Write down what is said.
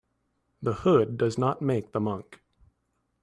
The hood does not make the monk.